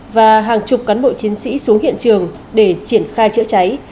và hàng chục cán bộ chiến sĩ xuống hiện trường để triển khai chữa cháy